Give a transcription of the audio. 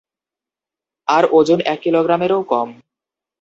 আর ওজন এক কিলোগ্রামেরও কম।